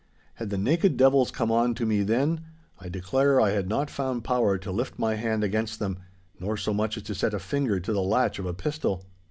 Had the naked devils come on to me then, I declare I had not found power to lift my hand against them, nor so much as to set a finger to the latch of a pistol.